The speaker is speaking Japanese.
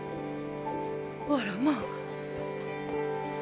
あらまあ。